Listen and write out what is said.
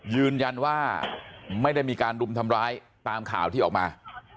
ยืนยันว่าไม่ได้มีการรุมทำร้ายตามข่าวที่ออกมา